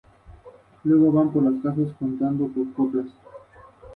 El "Honolulu" sufrió daños en el casco de menor importancia por una explosión cercana.